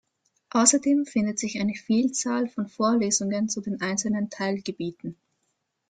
Außerdem findet sich eine Vielzahl von Vorlesungen zu den einzelnen Teilgebieten.